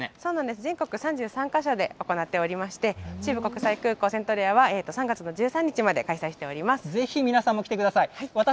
全国３３か所で行っておりまして、中部国際空港セントレアは３月の１３日までぜひ皆さんも来てください。